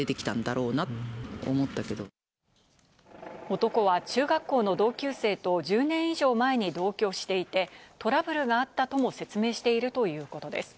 男は中学校の同級生と１０年以上前に同居していて、トラブルがあったとも説明しているということです。